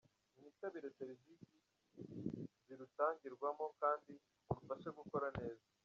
Mwitabire serivisi zirutangirwamo kandi murufashe gukora neza.